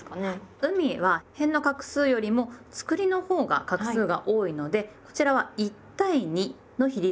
海はへんの画数よりもつくりのほうが画数が多いのでこちらは１対２の比率がベストです。